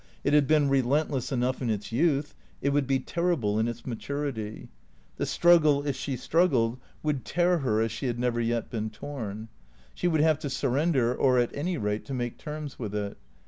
It had been relentless enough in its youth ; it would be terrible in its maturity. The struggle, if she struggled, would tear her as she had never yet been torn. She would have to surrender, or at any rate to make terms with it.